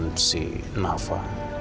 dengan si nafa